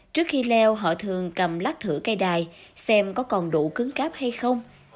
trước khi leo họ thường cầm lát thử cây đài xem có còn đủ cứng cáp hay không